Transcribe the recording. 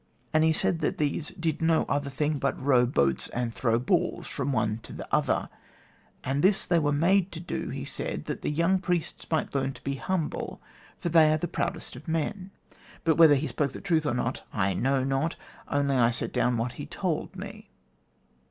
And he said that these did no other thing but row boats, and throw balls from one to the other, and this they were made to do, he said, that the young priests might learn to be humble, for they are the proudest of men. But whether he spoke truth or not I know not, only I set down what he told me.